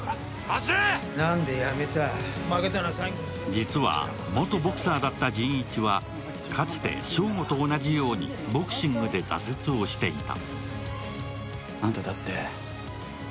実は元ボクサーだった仁一は、かつて翔吾と同じようにボクシングで挫折をしていた。